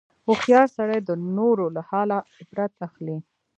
هوښیار سړی د نورو له حاله عبرت اخلي.